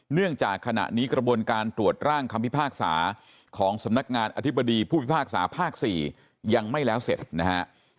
เนื่องจากขณะนี้กระบวนการตรวจร่างคำพิพากษาของสำนักงานอธิบดีผู้พิพากษาภาค๔ยังไม่แล้วเสร็จนะฮะ